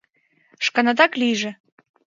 Шканетак лийже!